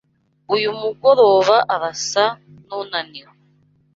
Uyu mugoroba arasa nunaniwe.